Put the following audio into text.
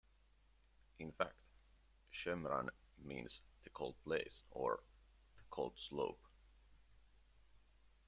In fact "shemran" means "the cold place" or "the cold slope".